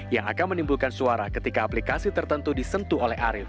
yang akan menimbulkan suara ketika aplikasi tertentu disentuh oleh arief